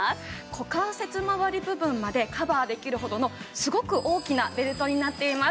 股関節まわり部分までカバーできるほどのすごく大きなベルトになっています。